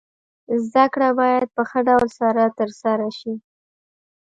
زده کړه باید په ښه ډول سره تر سره سي.